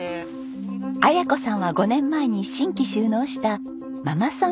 絢子さんは５年前に新規就農したママさん